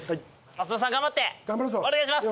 松本さん頑張ってお願いします！